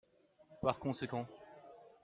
Par conséquent.